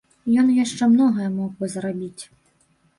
Ён яшчэ многае мог бы зрабіць.